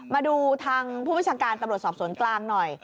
มาดูทางผู้พิจารการตรสอบสวนกลางหน่อย